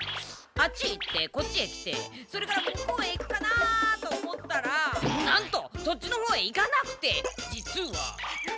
あっち行ってこっちへ来てそれから向こうへ行くかなあと思ったらなんとそっちのほうへ行かなくて実は。